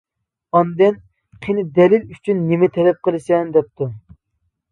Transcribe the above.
ئاندىن:-قېنى دەلىل ئۈچۈن نېمە تەلەپ قىلىسەن؟ دەپتۇ.